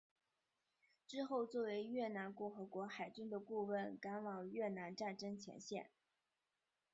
之后作为越南共和国海军的顾问赶往越南战争前线。